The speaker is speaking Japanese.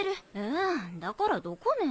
えだからどこね？